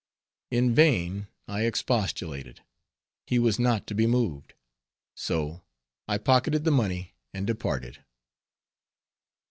In vain I expostulated; he was not to be moved, so I pocketed the money and departed.